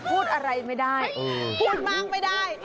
พูดอะไรไม่ได้พูดมากไม่ได้